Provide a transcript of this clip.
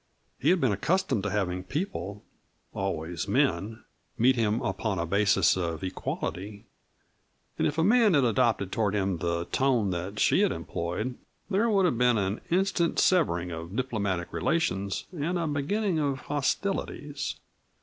He had been accustomed to having people always men meet him upon a basis of equality, and if a man had adopted toward him the tone that she had employed there would have been an instant severing of diplomatic relations and a beginning of hostilities.